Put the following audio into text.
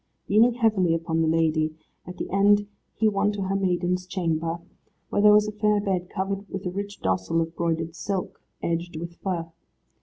Leaning heavily upon the lady, at the end he won to her maiden's chamber, where there was a fair bed covered with a rich dossal of broidered silk, edged with fur.